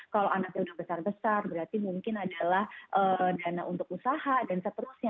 kalau anaknya sudah besar besar berarti mungkin adalah dana untuk usaha dan seterusnya